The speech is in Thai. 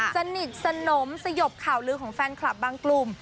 สนิทสนมสยบข่าวลือของแฟนคลับบางกลุ่ม